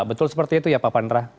betul seperti itu ya pak pandra